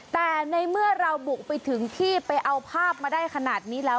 แต่ในเมื่อเราบุกไปถึงที่ไปเอาภาพมาได้ขนาดนี้แล้ว